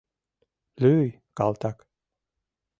Лӱй, калтак...